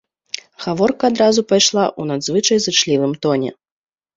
Гаворка адразу пайшла ў надзвычай зычлівым тоне.